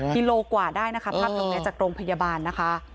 กิโลกว่าได้นะคะภาพตรงนี้จากโรงพยาบาลนะคะ